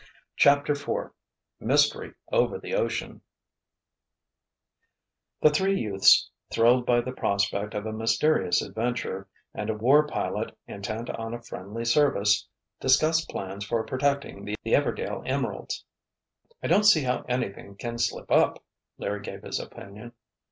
CHAPTER IV MYSTERY OVER THE OCEAN Three youths, thrilled by the prospect of a mysterious adventure, and a war pilot, intent on a friendly service, discussed plans for protecting the Everdail Emeralds. "I don't see how anything can slip up," Larry gave his opinion.